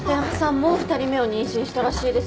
もう２人目を妊娠したらしいですよ。